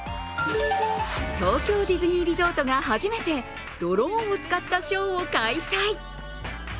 東京ディズニーリゾートが初めてドローンを使ったショーを開催。